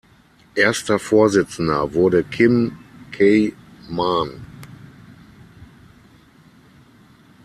Erster Vorsitzender wurde Kim Key-man.